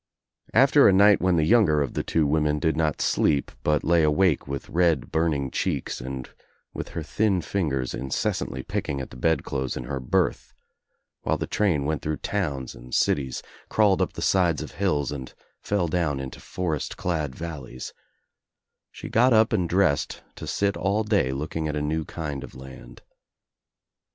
After a I night when the younger of the two women did not 138 THE TRIUMPH OF THE EGG sleep but lay awake with red burning cheeks and with her thin fingers incessantly picking at the bed clothes in her berth while the train went through towns and cities, crawled up the sides of hills and fell down into forest clad valleys, she got up and dressed to sit all day looking at a new kind of land.